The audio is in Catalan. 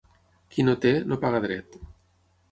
Qui no té, no paga dret.